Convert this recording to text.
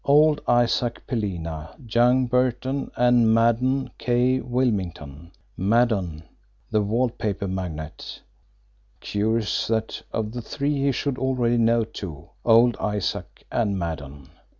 Old Isaac Pelina, young Burton, and Maddon K. Wilmington Maddon, the wall paper magnate! Curious, that of the three he should already know two old Isaac and Maddon!